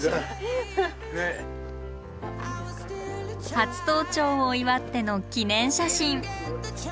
初登頂を祝っての記念写真。